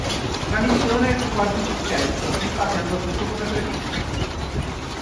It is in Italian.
La missione fu quasi un successo, infatti andò tutto come previsto.